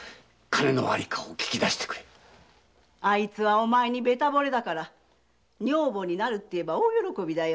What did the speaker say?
あいつはお前にベタ惚れだから女房になれば大喜びだよ。